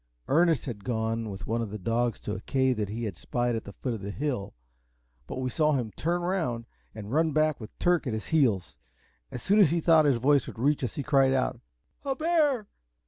Ernest had gone with one of the dogs to a cave that he had spied at the foot of the hill, but we saw him turn round and run back with Turk at his heels. As soon as he thought his voice would reach us, he cried out, "A bear!